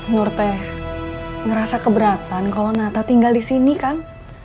nurte ngerasa keberatan kalo nata tinggal disini kan